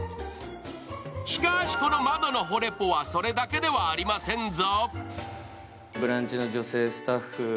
しかーし、この窓のホレポはそれだけではありませんぞ。